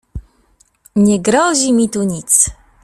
Nie grozi mi tu nic.